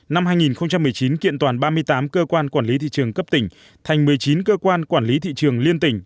năm hai nghìn một mươi chín kiện toàn ba mươi tám cơ quan quản lý thị trường cấp tỉnh thành một mươi chín cơ quan quản lý thị trường liên tỉnh